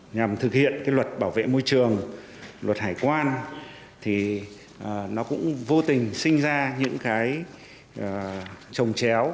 nhằm thực hiện luật bảo vệ môi trường luật hải quan thì nó cũng vô tình sinh ra những trùng chéo